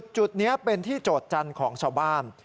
จุดนี้เป็นที่โจทย์จันทร์ของชาวบ้าน